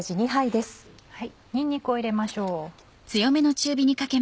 にんにくを入れましょう。